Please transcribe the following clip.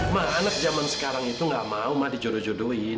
mah anak zaman sekarang itu gak mau ma dijodoh jodohin